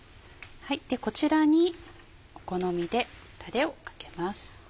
こちらにお好みでたれをかけます。